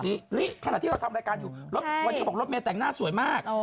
นี่นี่ขณะที่เราทำรายการอยู่ใช่วันนี้เขาบอกรอบแม่แต่งหน้าสวยมาก